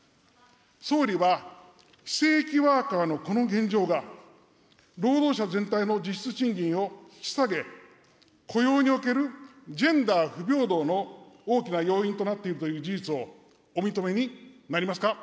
総理は、非正規ワーカーのこの現状が、労働者全体の実質賃金を引き下げ、雇用におけるジェンダー不平等の大きな要因となっているという事実をお認めになりますか。